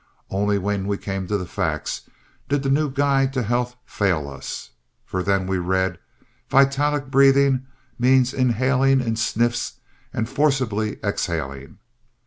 Only when we came to facts did the new guide to health fail us, for then we read, "Vitalic breathing means inhaling in sniffs and forcibly exhaling."